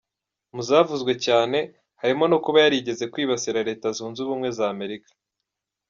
Mu zavuzwe cyane, harimo no kuba yarigeze kwibasira Leta Zunze Ubumwe za Amerika.